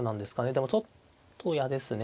でもちょっと嫌ですね